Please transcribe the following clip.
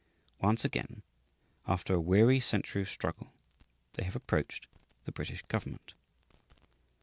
Once, again, after a weary century of struggle, they have approached the British government.